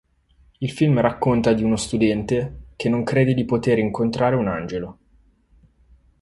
Il film racconta di uno studente che non crede di poter incontrare un angelo.